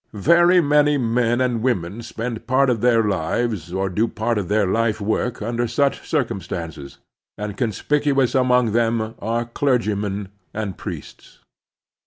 Very many men and women spend part of their lives or do part of their life work tinder such circumstances, and conspicuotis among them are clergymen and priests.